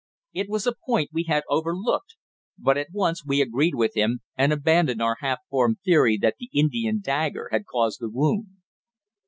It was a point we had overlooked, but at once we agreed with him, and abandoned our half formed theory that the Indian dagger had caused the wound.